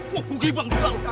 gue pergi bang